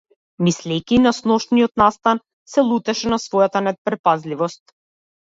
Мислејќи на сношниот настан, се лутеше на својата непретпазливост.